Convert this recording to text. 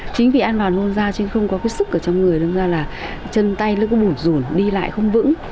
chính vì ăn vào là nôn da chứ không có cái sức ở trong người nên ra là chân tay nó cứ bụt rùn đi lại không vững